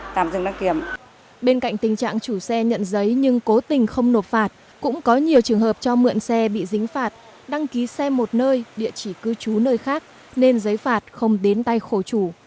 bên cạnh tình trạng chủ xe nhận giấy nhưng cố tình không nộp phạt cũng có nhiều trường hợp cho mượn xe bị dính phạt đăng ký xe một nơi địa chỉ cư trú nơi khác nên giấy phạt không đến tay khổ chủ